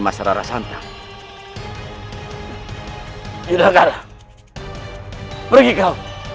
jangan lupa untuk berhenti